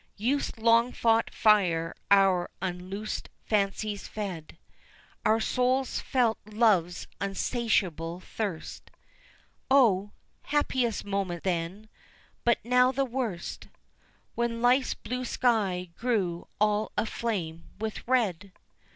Youth's long fought fire our unloosed fancies fed; Our souls felt Love's unsatiable thirst; O! happiest moment then, but now the worst, When life's blue sky grew all aflame with red!